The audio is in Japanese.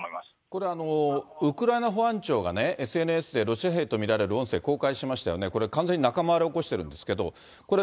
これ、ウクライナ保安庁がＳＮＳでロシア兵と見られる音声公開しましたよね、これ、完全に仲間割れを起こしてるんですけれども、これ、